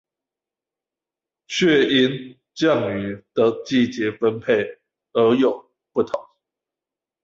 卻因降雨的季節分配而有不同